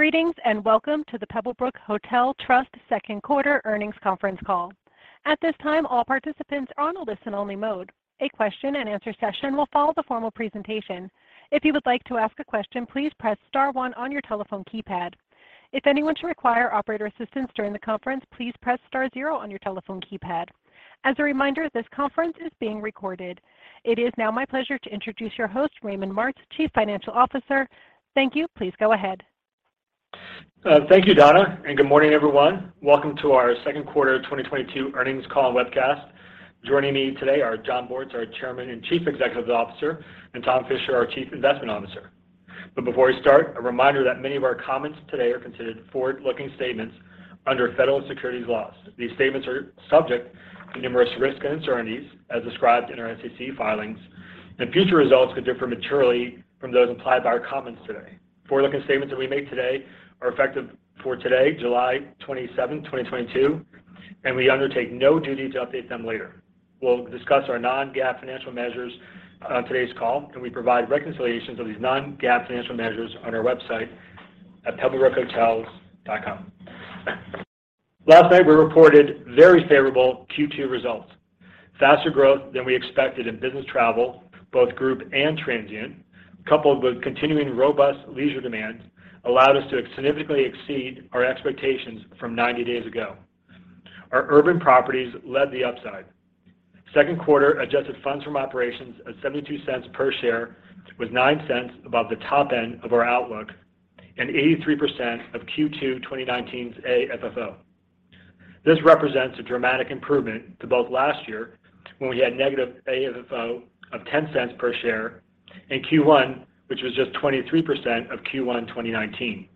Greetings, and welcome to the Pebblebrook Hotel Trust second quarter earnings conference call. At this time, all participants are on a listen only mode. A question and answer session will follow the formal presentation. If you would like to ask a question, please press star one on your telephone keypad. If anyone should require operator assistance during the conference, please press star zero on your telephone keypad. As a reminder, this conference is being recorded. It is now my pleasure to introduce your host, Raymond Martz, Chief Financial Officer. Thank you. Please go ahead. Thank you, Donna, and good morning everyone. Welcome to our second quarter 2022 earnings call and webcast. Joining me today are Jon Bortz, our Chairman and Chief Executive Officer, and Thomas Fisher, our Chief Investment Officer. Before we start, a reminder that many of our comments today are considered forward-looking statements under federal securities laws. These statements are subject to numerous risks and uncertainties as described in our SEC filings, and future results could differ materially from those implied by our comments today. Forward-looking statements that we make today are effective for today, July 27th, 2022, and we undertake no duty to update them later. We'll discuss our Non-GAAP financial measures on today's call, and we provide reconciliations of these Non-GAAP financial measures on our website at pebblebrookhotels.com. Last night, we reported very favorable Q2 results. Faster growth than we expected in business travel, both group and transient, coupled with continuing robust leisure demand, allowed us to significantly exceed our expectations from 90 days ago. Our urban properties led the upside. Second quarter adjusted funds from operations of $0.72 per share was $0.09 above the top end of our outlook and 83% of Q2 2019's AFFO. This represents a dramatic improvement to both last year, when we had negative AFFO of $0.10 per share, and Q1, which was just 23% of Q1 2019.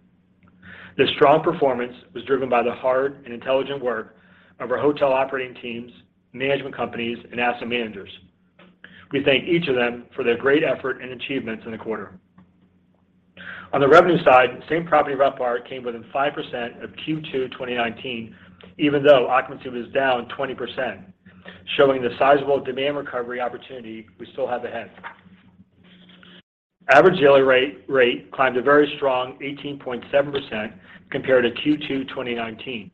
This strong performance was driven by the hard and intelligent work of our hotel operating teams, management companies, and asset managers. We thank each of them for their great effort and achievements in the quarter. On the revenue side, same-property RevPAR came within 5% of Q2 2019, even though occupancy was down 20%, showing the sizable demand recovery opportunity we still have ahead. Average daily rate climbed a very strong 18.7% compared to Q2 2019.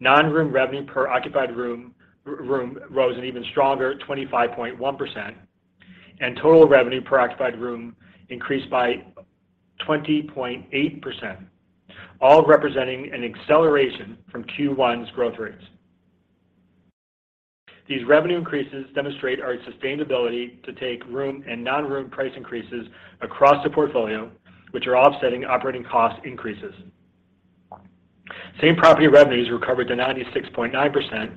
Non-room revenue per occupied room rose an even stronger 25.1%, and total revenue per occupied room increased by 20.8%, all representing an acceleration from Q1's growth rates. These revenue increases demonstrate our ability to take room and non-room price increases across the portfolio, which are offsetting operating cost increases. Same-property revenues recovered to 96.9%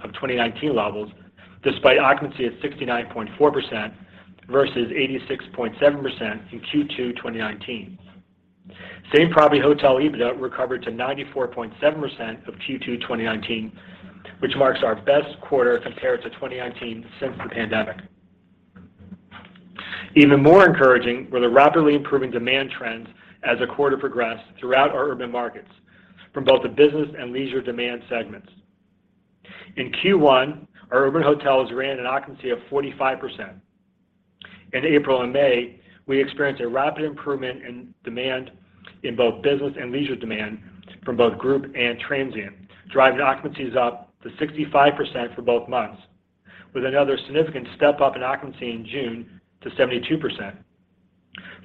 of 2019 levels, despite occupancy at 69.4% versus 86.7% in Q2 2019. Same property hotel EBITDA recovered to 94.7% of Q2 2019, which marks our best quarter compared to 2019 since the pandemic. Even more encouraging were the rapidly improving demand trends as the quarter progressed throughout our urban markets from both the business and leisure demand segments. In Q1, our urban hotels ran an occupancy of 45%. In April and May, we experienced a rapid improvement in demand in both business and leisure demand from both group and transient, driving occupancies up to 65% for both months, with another significant step-up in occupancy in June to 72%.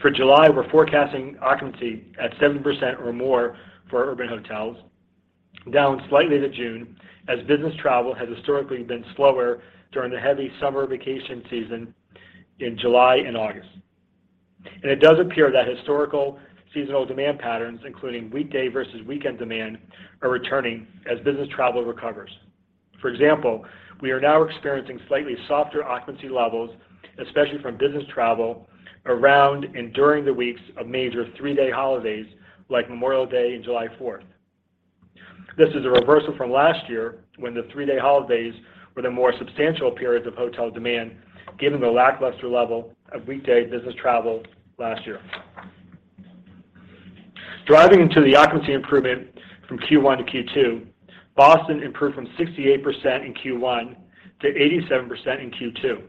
For July, we're forecasting occupancy at 7% or more for urban hotels, down slightly to June, as business travel has historically been slower during the heavy summer vacation season in July and August. It does appear that historical seasonal demand patterns, including weekday versus weekend demand, are returning as business travel recovers. For example, we are now experiencing slightly softer occupancy levels, especially from business travel, around and during the weeks of major three-day holidays like Memorial Day and July Fourth. This is a reversal from last year, when the three-day holidays were the more substantial periods of hotel demand, given the lackluster level of weekday business travel last year. Driving into the occupancy improvement from Q1 to Q2, Boston improved from 68% in Q1 to 87% in Q2.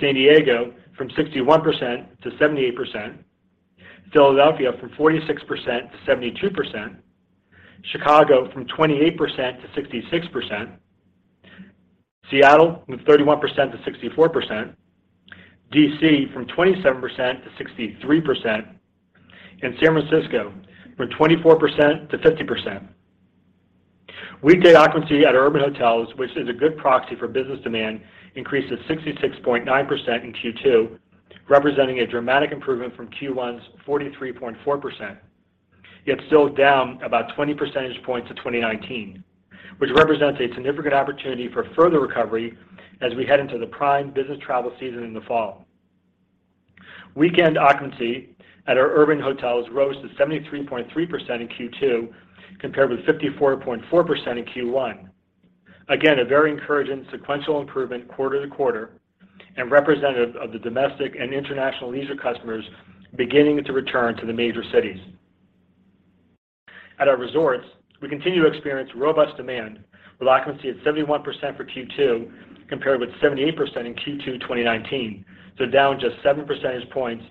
San Diego from 61% to 78%. Philadelphia from 46% to 72%. Chicago from 28% to 66%. Seattle from 31% to 64%. D.C. from 27% to 63%. San Francisco from 24% to 50%. Weekday occupancy at our urban hotels, which is a good proxy for business demand, increased to 66.9% in Q2, representing a dramatic improvement from Q1's 43.4%, yet still down about 20 percentage points to 2019, which represents a significant opportunity for further recovery as we head into the prime business travel season in the fall. Weekend occupancy at our urban hotels rose to 73.3% in Q2 compared with 54.4% in Q1. Again, a very encouraging sequential improvement quarter to quarter and representative of the domestic and international leisure customers beginning to return to the major cities. At our resorts, we continue to experience robust demand with occupancy at 71% for Q2 compared with 78% in Q2 2019. Down just seven percentage points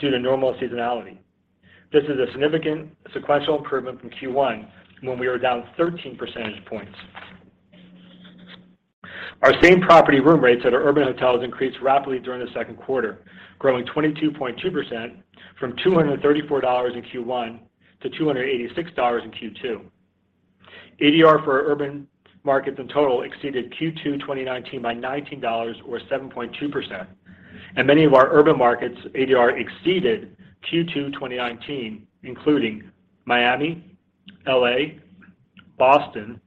due to normal seasonality. This is a significant sequential improvement from Q1 when we were down 13 percentage points. Our same property room rates at our urban hotels increased rapidly during the second quarter, growing 22.2% from $234 in Q1 to $286 in Q2. ADR for urban markets in total exceeded Q2 2019 by $19 or 7.2%. Many of our urban markets ADR exceeded Q2 2019, including Miami, L.A., Boston,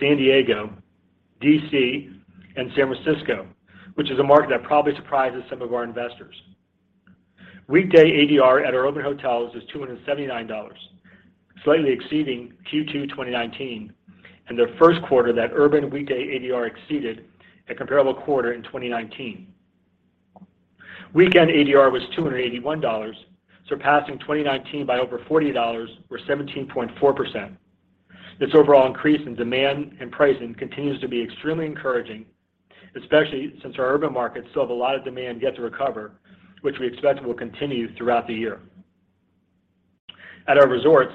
San Diego, D.C., and San Francisco, which is a market that probably surprises some of our investors. Weekday ADR at our urban hotels was $279, slightly exceeding Q2 2019, and the first quarter that urban weekday ADR exceeded a comparable quarter in 2019. Weekend ADR was $281, surpassing 2019 by over $40 or 17.4%. This overall increase in demand and pricing continues to be extremely encouraging, especially since our urban markets still have a lot of demand yet to recover, which we expect will continue throughout the year. At our resorts,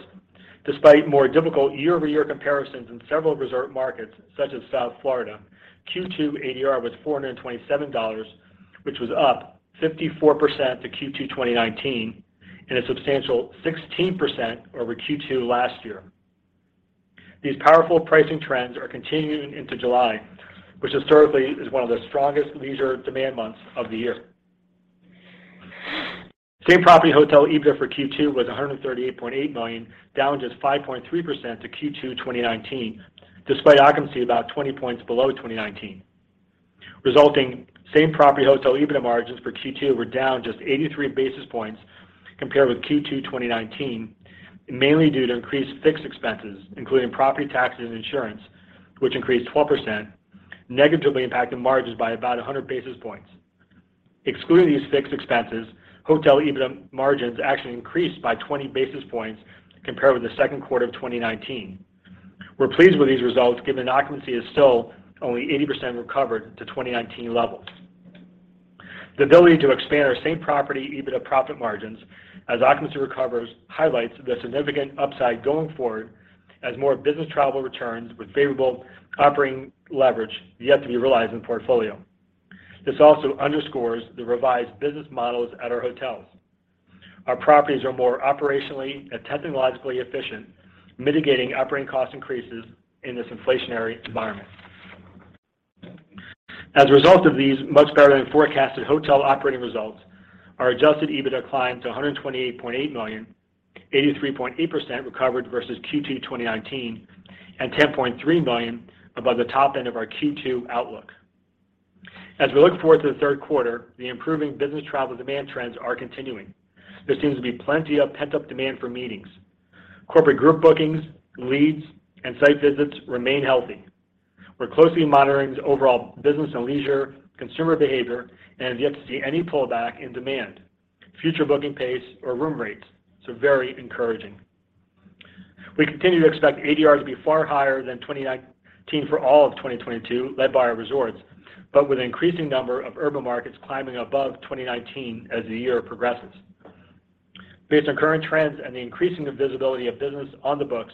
despite more difficult year-over-year comparisons in several resort markets, such as South Florida, Q2 ADR was $427, which was up 54% to Q2 2019 and a substantial 16% over Q2 last year. These powerful pricing trends are continuing into July, which historically is one of the strongest leisure demand months of the year. Same-property hotel EBITDA for Q2 was $138.8 million, down just 5.3% to Q2 2019, despite occupancy about 20 points below 2019. Resulting same-property hotel EBITDA margins for Q2 were down just 83 basis points compared with Q2 2019, mainly due to increased fixed expenses, including property taxes and insurance, which increased 12%, negatively impacting margins by about 100 basis points. Excluding these fixed expenses, hotel EBITDA margins actually increased by 20 basis points compared with the second quarter of 2019. We're pleased with these results, given that occupancy is still only 80% recovered to 2019 levels. The ability to expand our same-property EBITDA profit margins as occupancy recovers highlights the significant upside going forward as more business travel returns with favorable operating leverage yet to be realized in the portfolio. This also underscores the revised business models at our hotels. Our properties are more operationally and technologically efficient, mitigating operating cost increases in this inflationary environment. As a result of these much better than forecasted hotel operating results, our adjusted EBITDA climbed to $128.8 million, 83.8% recovered versus Q2 2019 and $10.3 million above the top end of our Q2 outlook. As we look forward to the third quarter, the improving business travel demand trends are continuing. There seems to be plenty of pent-up demand for meetings. Corporate group bookings, leads, and site visits remain healthy. We're closely monitoring the overall business and leisure consumer behavior and have yet to see any pullback in demand, future booking pace or room rates, so very encouraging. We continue to expect ADR to be far higher than 2019 for all of 2022, led by our resorts, but with an increasing number of urban markets climbing above 2019 as the year progresses. Based on current trends and the increasing visibility of business on the books,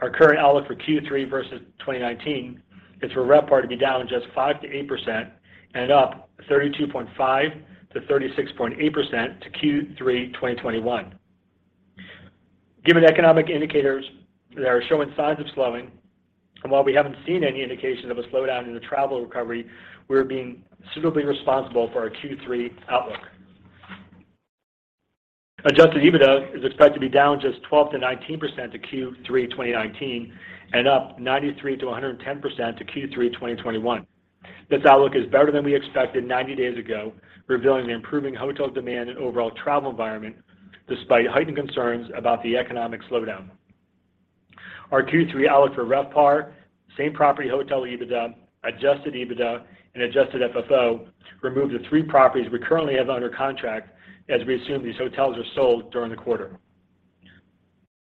our current outlook for Q3 versus 2019 is for RevPAR to be down just 5%-8% and up 32.5%-36.8% to Q3 2021. Given economic indicators that are showing signs of slowing, and while we haven't seen any indication of a slowdown in the travel recovery, we are being suitably responsible for our Q3 outlook. Adjusted EBITDA is expected to be down just 12%-19% to Q3 2019 and up 93%-110% to Q3 2021. This outlook is better than we expected 90 days ago, revealing the improving hotel demand and overall travel environment despite heightened concerns about the economic slowdown. Our Q3 outlook for RevPAR, same-property hotel EBITDA, adjusted EBITDA, and adjusted FFO remove the three properties we currently have under contract as we assume these hotels are sold during the quarter.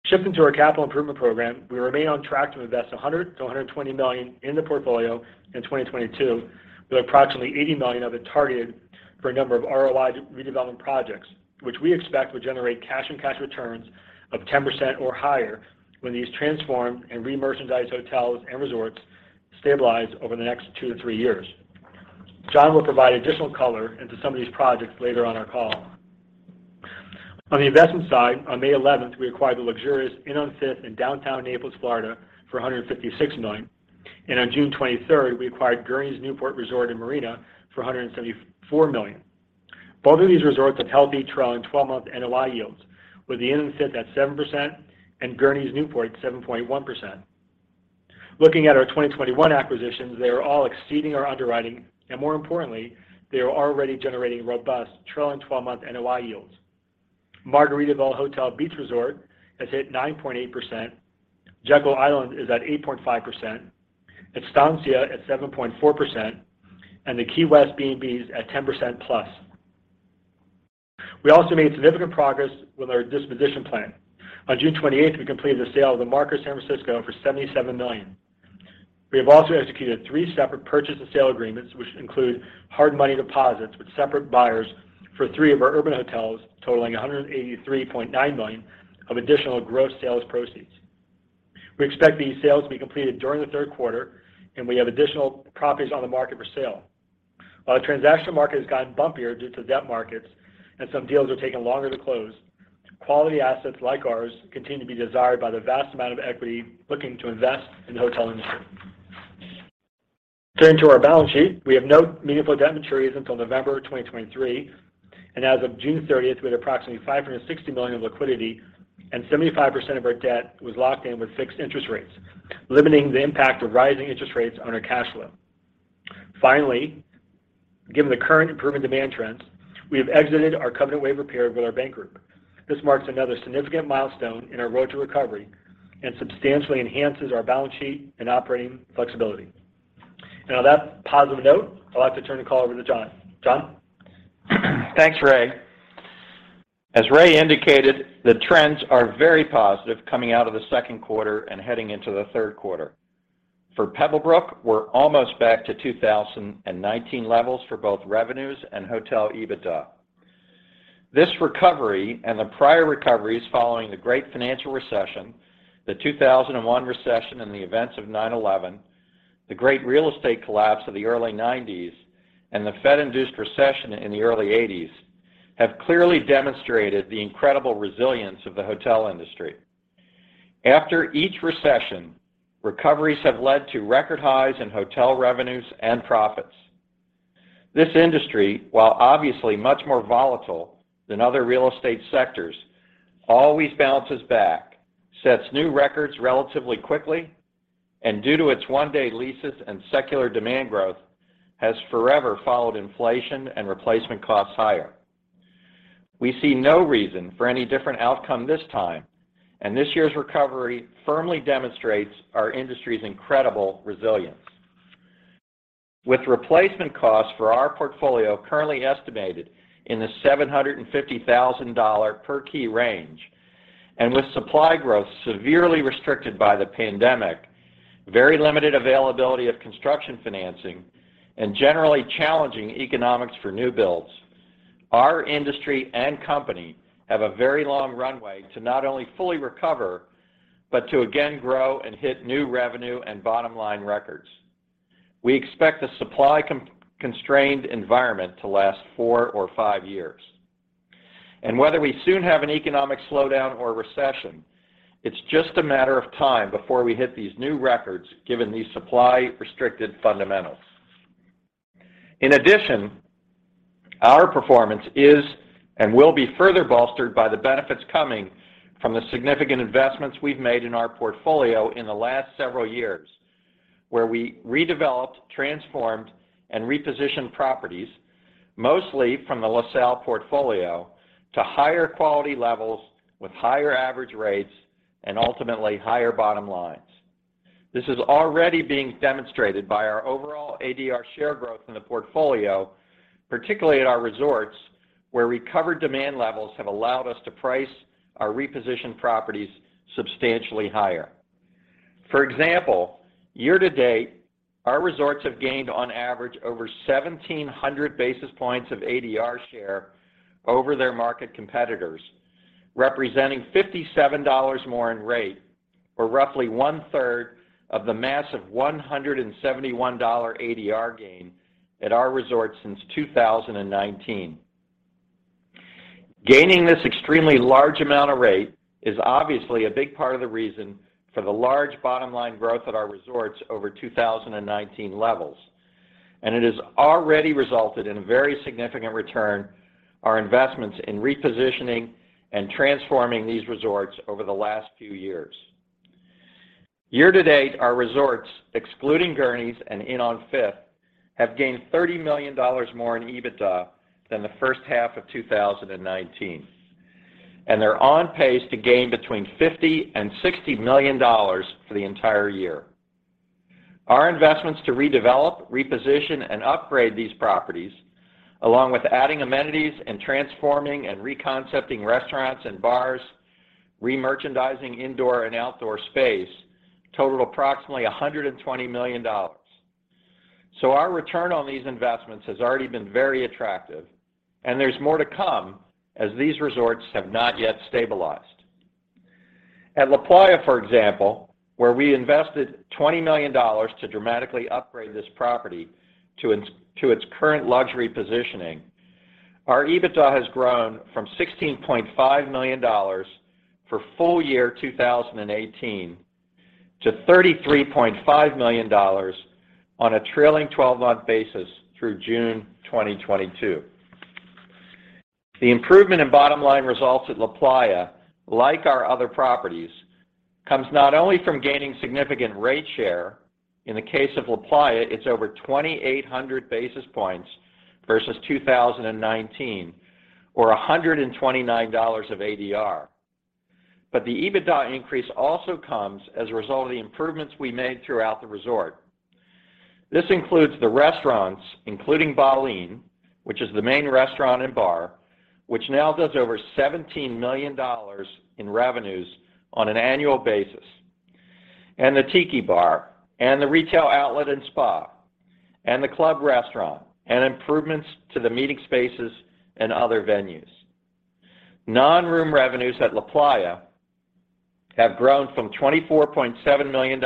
Shifting to our capital improvement program, we remain on track to invest $100-$120 million in the portfolio in 2022, with approximately $80 million of it targeted for a number of ROI redevelopment projects, which we expect will generate cash and cash returns of 10% or higher when these transformed and remerchandised hotels and resorts stabilize over the next two to three years. Jon will provide additional color into some of these projects later on our call. On the investment side, on May 11th, we acquired the luxurious Inn on Fifth in downtown Naples, Florida for $156 million. On June 23, we acquired Gurney's Newport Resort and Marina for $174 million. Both of these resorts have healthy trailing 12-month NOI yields, with the Inn on Fifth at 7% and Gurney's Newport at 7.1%. Looking at our 2021 acquisitions, they are all exceeding our underwriting, and more importantly, they are already generating robust trailing 12-month NOI yields. Margaritaville Hollywood Beach Resort has hit 9.8%. Jekyll Island Club Resort is at 8.5%. Estancia La Jolla Hotel & Spa at 7.4%, and the Key West B&Bs at 10%+. We also made significant progress with our disposition plan. On June 28th, we completed the sale of The Marker San Francisco for $77 million. We have also executed three separate purchase and sale agreements, which include hard money deposits with separate buyers for three of our urban hotels, totaling $183.9 million of additional gross sales proceeds. We expect these sales to be completed during the third quarter, and we have additional properties on the market for sale. While the transaction market has gotten bumpier due to debt markets and some deals are taking longer to close, quality assets like ours continue to be desired by the vast amount of equity looking to invest in the hotel industry. Turning to our balance sheet, we have no meaningful debt maturities until November 2023. As of June 30th, we had approximately $560 million of liquidity and 75% of our debt was locked in with fixed interest rates, limiting the impact of rising interest rates on our cash flow. Finally, given the current improving demand trends, we have exited our covenant waiver period with our bank group. This marks another significant milestone in our road to recovery and substantially enhances our balance sheet and operating flexibility. On that positive note, I'd like to turn the call over to Jon. Jon? Thanks, Ray. As Ray indicated, the trends are very positive coming out of the second quarter and heading into the third quarter. For Pebblebrook, we're almost back to 2019 levels for both revenues and hotel EBITDA. This recovery and the prior recoveries following the great financial recession, the 2001 recession, and the events of 9/11, the great real estate collapse of the early 1990s, and the Fed-induced recession in the early 1980s, have clearly demonstrated the incredible resilience of the hotel industry. After each recession, recoveries have led to record highs in hotel revenues and profits. This industry, while obviously much more volatile than other real estate sectors, always bounces back, sets new records relatively quickly, and due to its one-day leases and secular demand growth, has forever followed inflation and replacement costs higher. We see no reason for any different outcome this time, and this year's recovery firmly demonstrates our industry's incredible resilience. With replacement costs for our portfolio currently estimated in the $750,000 per key range, and with supply growth severely restricted by the pandemic, very limited availability of construction financing, and generally challenging economics for new builds, our industry and company have a very long runway to not only fully recover, but to again grow and hit new revenue and bottom-line records. We expect the supply constrained environment to last four or five years. Whether we soon have an economic slowdown or recession, it's just a matter of time before we hit these new records given these supply-restricted fundamentals. In addition, our performance is and will be further bolstered by the benefits coming from the significant investments we've made in our portfolio in the last several years, where we redeveloped, transformed, and repositioned properties, mostly from the LaSalle portfolio, to higher quality levels with higher average rates and ultimately higher bottom lines. This is already being demonstrated by our overall ADR share growth in the portfolio, particularly at our resorts, where recovered demand levels have allowed us to price our repositioned properties substantially higher. For example, year-to-date, our resorts have gained on average over 1,700 basis points of ADR share over their market competitors, representing $57 more in rate, or roughly one-third of the massive $171 ADR gain at our resorts since 2019. Gaining this extremely large amount of rate is obviously a big part of the reason for the large bottom-line growth at our resorts over 2019 levels, and it has already resulted in a very significant return our investments in repositioning and transforming these resorts over the last few years. Year-to-date, our resorts, excluding Gurney's and Inn on Fifth, have gained $30 million more in EBITDA than the first half of 2019, and they're on pace to gain between $50 million and $60 million for the entire year. Our investments to redevelop, reposition, and upgrade these properties, along with adding amenities and transforming and reconcepting restaurants and bars, remerchandising indoor and outdoor space, total approximately $120 million. Our return on these investments has already been very attractive, and there's more to come as these resorts have not yet stabilized. At LaPlaya, for example, where we invested $20 million to dramatically upgrade this property to its current luxury positioning, our EBITDA has grown from $16.5 million for full year 2018 to $33.5 million on a trailing 12-month basis through June 2022. The improvement in bottom-line results at LaPlaya, like our other properties, comes not only from gaining significant rate share, in the case of LaPlaya, it's over 2,800 basis points versus 2019 or $129 of ADR. The EBITDA increase also comes as a result of the improvements we made throughout the resort. This includes the restaurants, including Baleen, which is the main restaurant and bar, which now does over $17 million in revenues on an annual basis, and the Tiki Bar, and the retail outlet and spa, and the club restaurant, and improvements to the meeting spaces and other venues. Non-room revenues at LaPlaya have grown from $24.7 million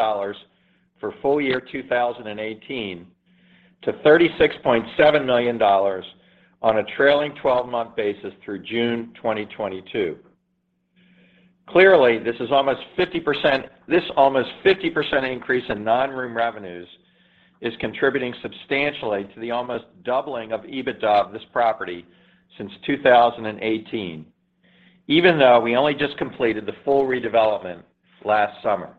for full year 2018 to $36.7 million on a trailing 12th-month basis through June 2022. Clearly, this almost 50% increase in non-room revenues is contributing substantially to the almost doubling of EBITDA of this property since 2018, even though we only just completed the full redevelopment last summer.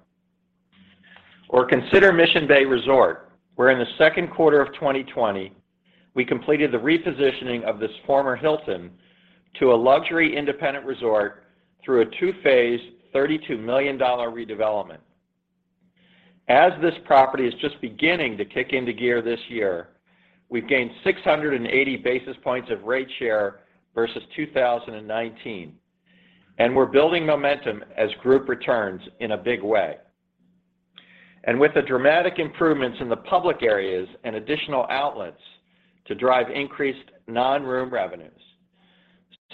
Consider Mission Bay Resort, where in the second quarter of 2020, we completed the repositioning of this former Hilton to a luxury independent resort through a two-phase $32 million redevelopment. As this property is just beginning to kick into gear this year, we've gained 680 basis points of rate share versus 2019, and we're building momentum as group returns in a big way. With the dramatic improvements in the public areas and additional outlets to drive increased non-room revenues,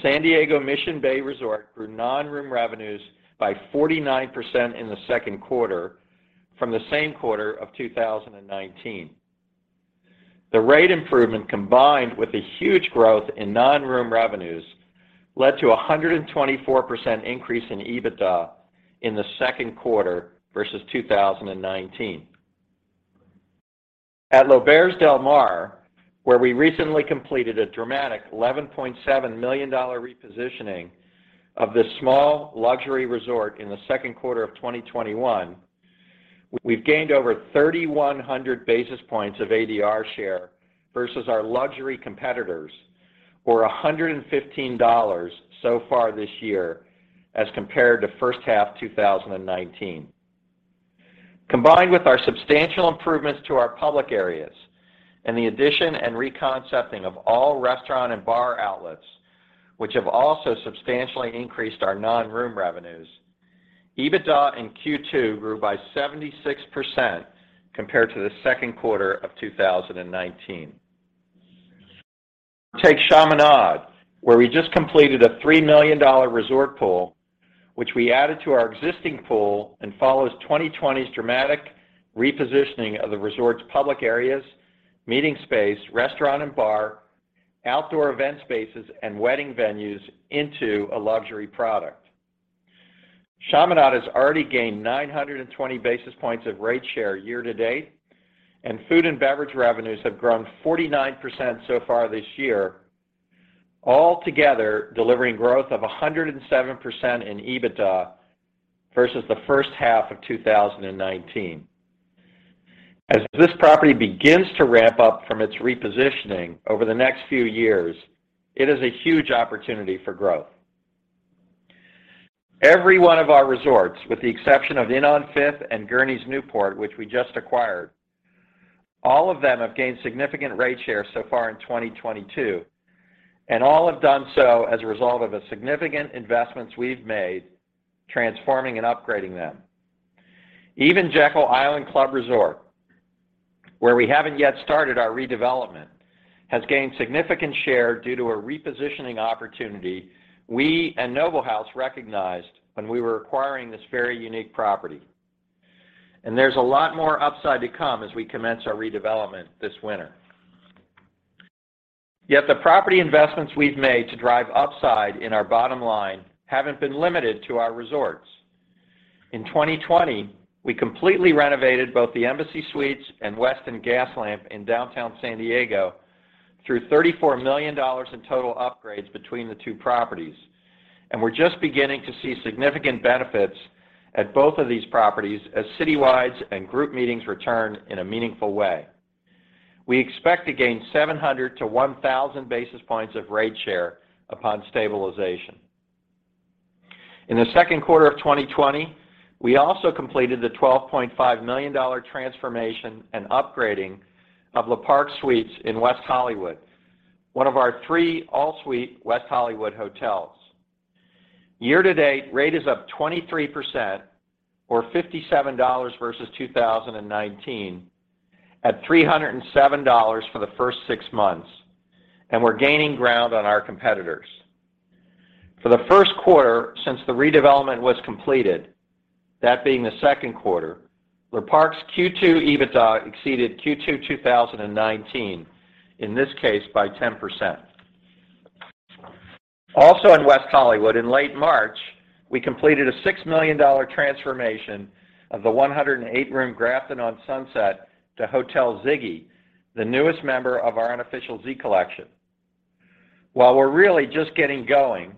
San Diego Mission Bay Resort grew non-room revenues by 49% in the second quarter from the same quarter of 2019. The rate improvement, combined with the huge growth in non-room revenues, led to a 124% increase in EBITDA in the second quarter versus 2019. At L'Auberge Del Mar, where we recently completed a dramatic $11.7 million repositioning of this small luxury resort in the second quarter of 2021, we've gained over 3,100 basis points of ADR share versus our luxury competitors, or $115 so far this year as compared to first half 2019. Combined with our substantial improvements to our public areas and the addition and reconcepting of all restaurant and bar outlets, which have also substantially increased our non-room revenues, EBITDA in Q2 grew by 76% compared to the second quarter of 2019. Take Chaminade, where we just completed a $3 million resort pool, which we added to our existing pool and follows 2020's dramatic repositioning of the resort's public areas, meeting space, restaurant and bar, outdoor event spaces, and wedding venues into a luxury product. Chaminade has already gained 920 basis points of rate share year to date, and food and beverage revenues have grown 49% so far this year, all together delivering growth of 107% in EBITDA versus the first half of 2019. As this property begins to ramp up from its repositioning over the next few years, it is a huge opportunity for growth. Every one of our resorts, with the exception of Inn on Fifth and Gurney's Newport, which we just acquired, all of them have gained significant rate share so far in 2022, and all have done so as a result of the significant investments we've made transforming and upgrading them. Even Jekyll Island Club Resort, where we haven't yet started our redevelopment, has gained significant share due to a repositioning opportunity we and Noble House recognized when we were acquiring this very unique property. There's a lot more upside to come as we commence our redevelopment this winter. Yet the property investments we've made to drive upside in our bottom line haven't been limited to our resorts. In 2020, we completely renovated both the Embassy Suites and Westin Gaslamp in downtown San Diego through $34 million in total upgrades between the two properties. We're just beginning to see significant benefits at both of these properties as citywides and group meetings return in a meaningful way. We expect to gain 700-1,000 basis points of rate share upon stabilization. In the second quarter of 2020, we also completed the $12.5 million transformation and upgrading of Le Parc Suite Hotel in West Hollywood, one of our three all-suite West Hollywood hotels. Year to date, rate is up 23% or $57 versus 2019 at $307 for the first six months, and we're gaining ground on our competitors. For the first quarter since the redevelopment was completed, that being the second quarter, Le Parc's Q2 EBITDA exceeded Q2 2019, in this case by 10%. Also in West Hollywood, in late March, we completed a $6 million transformation of the 108-room Grafton on Sunset to Hotel Ziggy, the newest member of our Unofficial Z Collection. While we're really just getting going,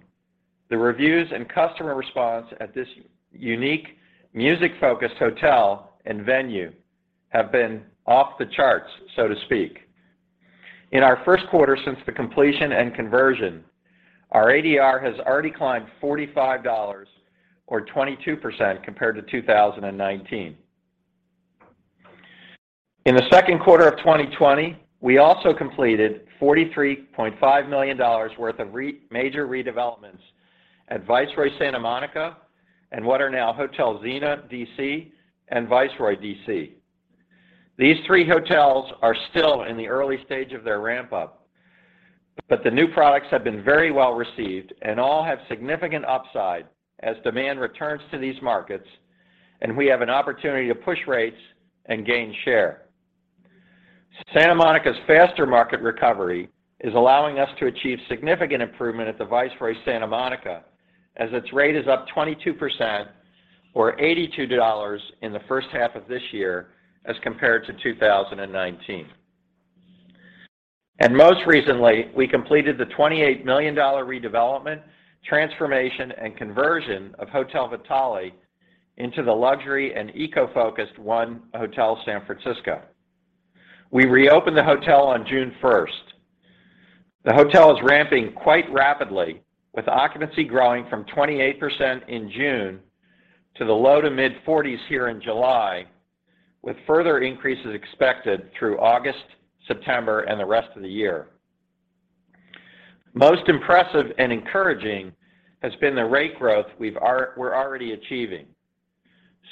the reviews and customer response at this unique music-focused hotel and venue have been off the charts, so to speak. In our first quarter since the completion and conversion, our ADR has already climbed $45 or 22% compared to 2019. In the second quarter of 2020, we also completed $43.5 million worth of major redevelopments at Viceroy Santa Monica and what are now Hotel Zena, D.C. and Viceroy Washington, D.C. These three hotels are still in the early stage of their ramp up, but the new products have been very well received and all have significant upside as demand returns to these markets, and we have an opportunity to push rates and gain share. Santa Monica's faster market recovery is allowing us to achieve significant improvement at the Viceroy Santa Monica as its rate is up 22% or $82 in the first half of this year as compared to 2019. Most recently, we completed the $28 million redevelopment, transformation, and conversion of Hotel Vitale into the luxury and eco-focused 1 Hotel San Francisco. We reopened the hotel on June first. The hotel is ramping quite rapidly, with occupancy growing from 28% in June to the low-to-mid 40s% here in July, with further increases expected through August, September, and the rest of the year. Most impressive and encouraging has been the rate growth we're already achieving.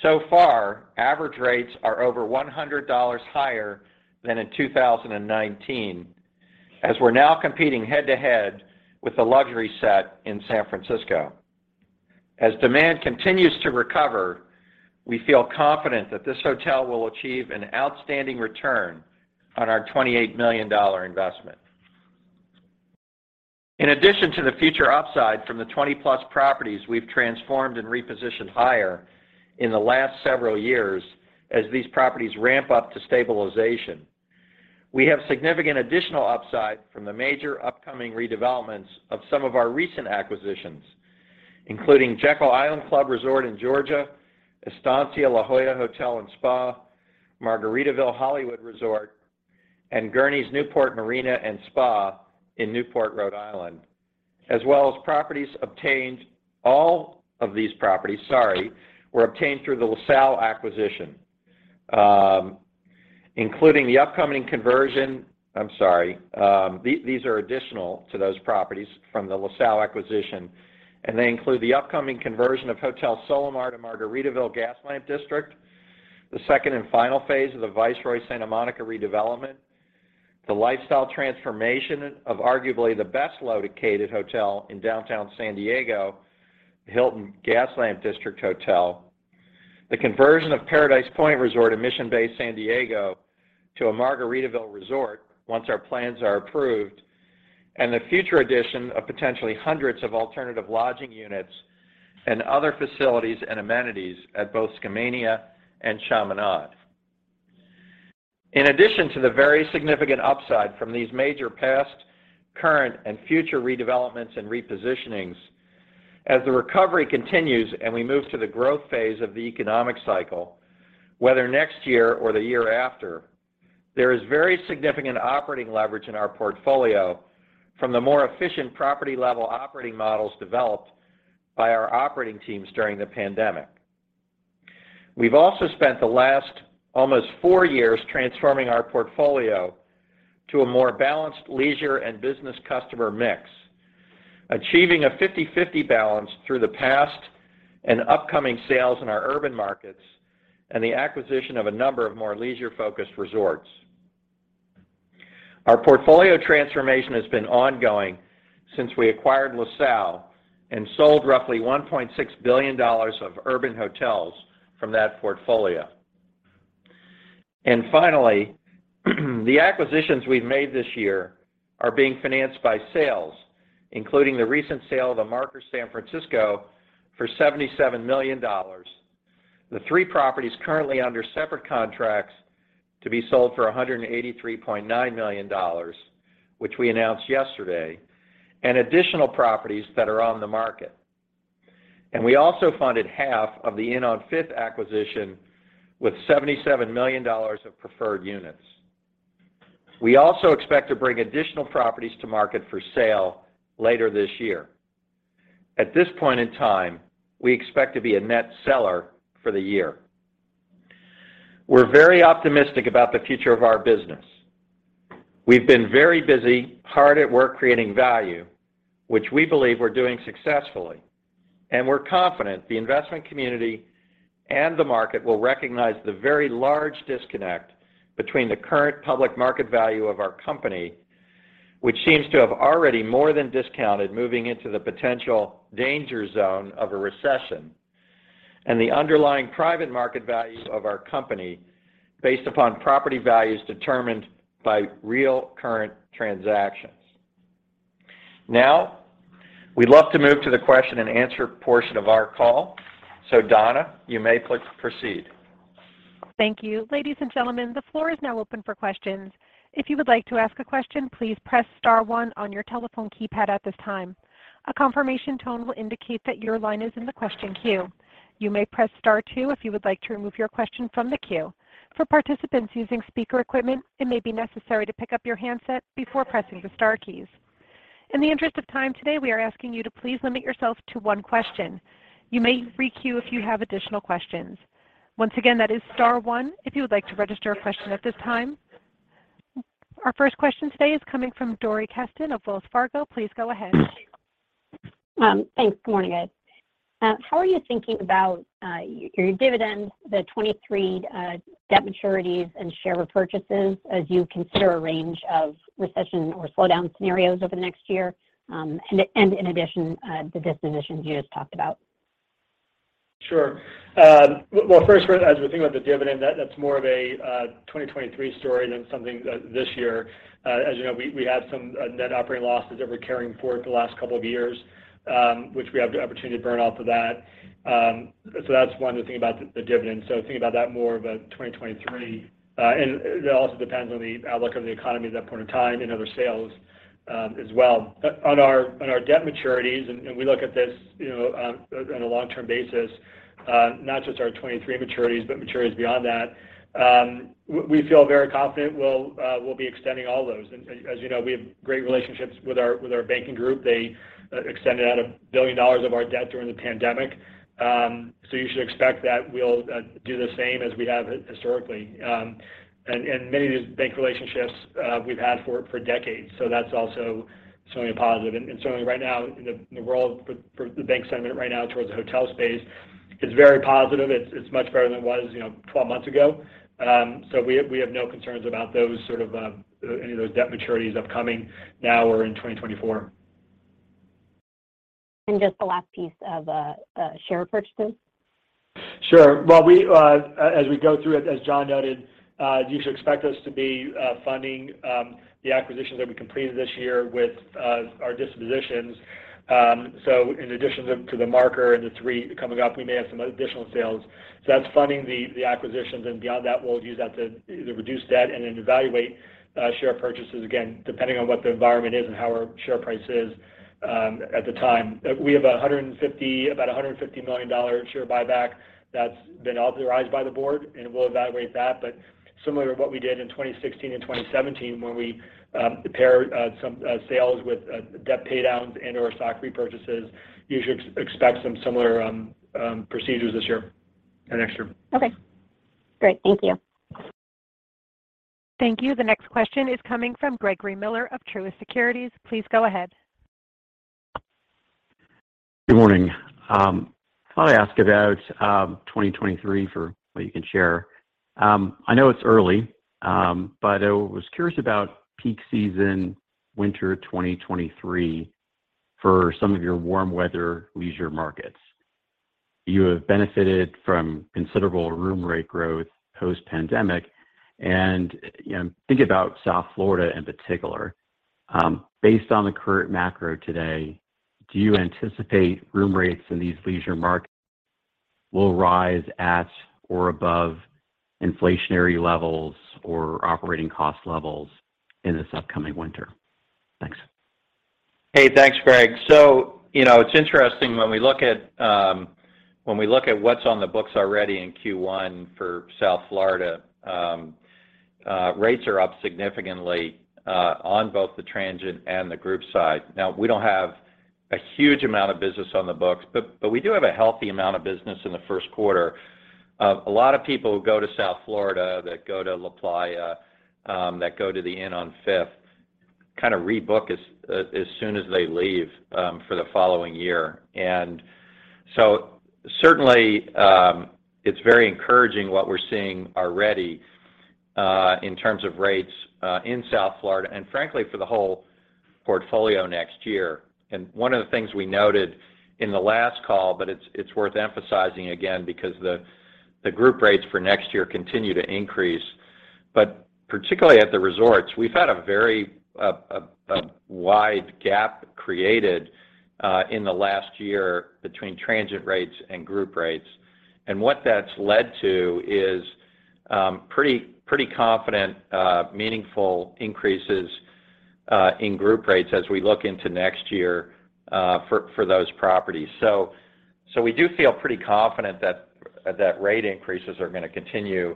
So far, average rates are over $100 higher than in 2019, as we're now competing head-to-head with the luxury set in San Francisco. As demand continues to recover, we feel confident that this hotel will achieve an outstanding return on our $28 million investment. In addition to the future upside from the 20-plus properties we've transformed and repositioned higher in the last several years as these properties ramp up to stabilization, we have significant additional upside from the major upcoming redevelopments of some of our recent acquisitions, including Jekyll Island Club Resort in Georgia, Estancia La Jolla Hotel & Spa, Margaritaville Hollywood Beach Resort, and Gurney's Newport Resort & Marina in Newport, Rhode Island. All of these properties were obtained through the LaSalle acquisition, including the upcoming conversion. These are additional to those properties from the LaSalle acquisition, and they include the upcoming conversion of Hotel Solamar to Margaritaville Hotel San Diego Gaslamp Quarter, the second and final phase of the Viceroy Santa Monica redevelopment, the lifestyle transformation of arguably the best located hotel in downtown San Diego, the Hilton San Diego Gaslamp Quarter, the conversion of Paradise Point Resort in Mission Bay, San Diego, to a Margaritaville resort once our plans are approved, and the future addition of potentially hundreds of alternative lodging units and other facilities and amenities at both Skamania and Chaminade. In addition to the very significant upside from these major past, current, and future redevelopments and repositionings, as the recovery continues and we move to the growth phase of the economic cycle, whether next year or the year after, there is very significant operating leverage in our portfolio from the more efficient property-level operating models developed by our operating teams during the pandemic. We've also spent the last almost four years transforming our portfolio to a more balanced leisure and business customer mix, achieving a 50/50 balance through the past and upcoming sales in our urban markets and the acquisition of a number of more leisure-focused resorts. Our portfolio transformation has been ongoing since we acquired LaSalle and sold roughly $1.6 billion of urban hotels from that portfolio. Finally, the acquisitions we've made this year are being financed by sales, including the recent sale of The Marker San Francisco for $77 million, the three properties currently under separate contracts to be sold for $183.9 million, which we announced yesterday, and additional properties that are on the market. We also funded half of the Inn on Fifth acquisition with $77 million of preferred units. We also expect to bring additional properties to market for sale later this year. At this point in time, we expect to be a net seller for the year. We're very optimistic about the future of our business. We've been very busy, hard at work creating value, which we believe we're doing successfully, and we're confident the investment community and the market will recognize the very large disconnect between the current public market value of our company, which seems to have already more than discounted moving into the potential danger zone of a recession, and the underlying private market value of our company based upon property values determined by real current transactions. Now, we'd love to move to the question and answer portion of our call. Donna, you may click proceed. Thank you. Ladies and gentlemen, the floor is now open for questions. If you would like to ask a question, please press star one on your telephone keypad at this time. A confirmation tone will indicate that your line is in the question queue. You may press star two if you would like to remove your question from the queue. For participants using speaker equipment, it may be necessary to pick up your handset before pressing the star keys. In the interest of time today, we are asking you to please limit yourself to one question. You may re-queue if you have additional questions. Once again, that is star one if you would like to register a question at this time. Our first question today is coming from Dori Kesten of Wells Fargo. Please go ahead. Thanks. Good morning, guys. How are you thinking about your dividend, the 2023 debt maturities and share repurchases as you consider a range of recession or slowdown scenarios over the next year, and in addition, the dispositions you just talked about? Sure. Well, first as we think about the dividend, that's more of a 2023 story than something this year. As you know, we had some net operating losses that we're carrying forward the last couple of years, which we have the opportunity to burn off of that. That's one to think about the dividend. Think about that more of a 2023. That also depends on the outlook of the economy at that point in time and other sales, as well. On our debt maturities, and we look at this, you know, on a long-term basis, not just our 2023 maturities, but maturities beyond that, we feel very confident we'll be extending all those. As you know, we have great relationships with our banking group. They extended out $1 billion of our debt during the pandemic, so you should expect that we'll do the same as we have historically. Many of these bank relationships we've had for decades, so that's also certainly a positive. Certainly right now in the world for the bank sentiment right now towards the hotel space is very positive. It's much better than it was, you know, 12 months ago. So we have no concerns about those sort of any of those debt maturities upcoming now or in 2024. Just the last piece of share purchases. Sure. Well, we, as we go through it, as Jon noted, you should expect us to be funding the acquisitions that we completed this year with our dispositions. In addition to the Marker and the three coming up, we may have some additional sales. That's funding the acquisitions, and beyond that, we'll use that to either reduce debt and then evaluate share purchases again, depending on what the environment is and how our share price is at the time. We have about $150 million share buyback that's been authorized by the board, and we'll evaluate that. Similar to what we did in 2016 and 2017, where we paired some sales with debt pay downs and/or stock repurchases, you should expect some similar precedents this year and next year. Okay. Great. Thank you. Thank you. The next question is coming from Gregory Miller of Truist Securities. Please go ahead. Good morning. Thought I'd ask about 2023 for what you can share. I know it's early, but I was curious about peak season winter 2023 for some of your warm weather leisure markets. You have benefited from considerable room rate growth post-pandemic and, you know, thinking about South Florida in particular, based on the current macro today, do you anticipate room rates in these leisure markets will rise at or above inflationary levels or operating cost levels in this upcoming winter? Thanks. Hey, thanks, Greg. You know, it's interesting when we look at what's on the books already in Q1 for South Florida. Rates are up significantly on both the transient and the group side. Now, we don't have a huge amount of business on the books, but we do have a healthy amount of business in the first quarter. A lot of people who go to South Florida, that go to LaPlaya, that go to The Inn on Fifth, kind of rebook as soon as they leave for the following year. Certainly, it's very encouraging what we're seeing already in terms of rates in South Florida and frankly for the whole portfolio next year. One of the things we noted in the last call, but it's worth emphasizing again because the group rates for next year continue to increase. Particularly at the resorts, we've had a very wide gap created in the last year between transient rates and group rates. What that's led to is pretty confident meaningful increases in group rates as we look into next year for those properties. We do feel pretty confident that rate increases are gonna continue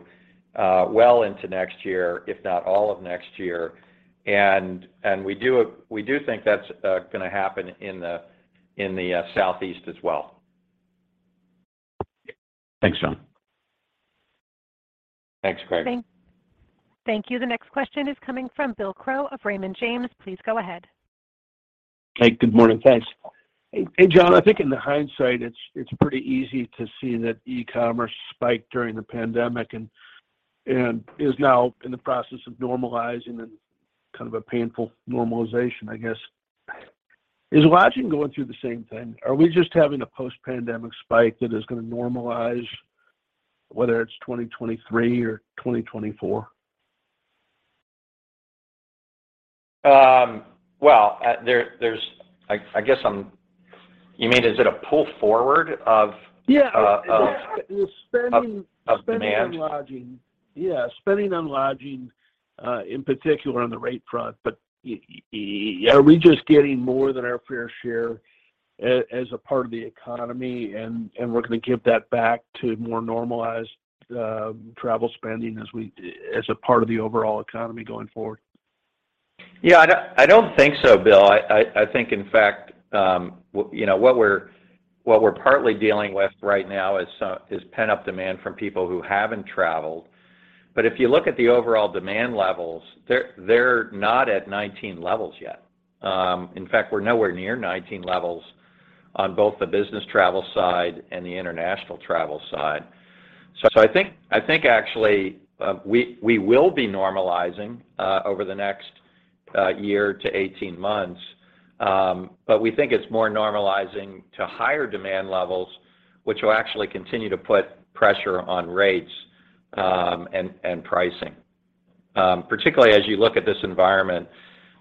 well into next year, if not all of next year. We do think that's gonna happen in the Southeast as well. Thanks, Jon. Thanks, Greg. Thank you. The next question is coming from Bill Crow of Raymond James. Please go ahead. Hey, good morning. Thanks. Hey, Jon, I think in hindsight, it's pretty easy to see that e-commerce spiked during the pandemic and is now in the process of normalizing and kind of a painful normalization, I guess. Is lodging going through the same thing? Are we just having a post-pandemic spike that is gonna normalize, whether it's 2023 or 2024? You mean, is it a pull forward of? Yeah... of- Yeah. Well, spending. Of demand? Spending on lodging. Yeah, spending on lodging, in particular on the rate front. Yeah, are we just getting more than our fair share as a part of the economy, and we're gonna give that back to more normalized travel spending as a part of the overall economy going forward? Yeah, I don't think so, Bill. I think in fact, you know, what we're partly dealing with right now is pent-up demand from people who haven't traveled. If you look at the overall demand levels, they're not at 2019 levels yet. In fact, we're nowhere near 2019 levels on both the business travel side and the international travel side. I think actually, we will be normalizing over the next year to 18 months. We think it's more normalizing to higher demand levels, which will actually continue to put pressure on rates and pricing. Particularly as you look at this environment,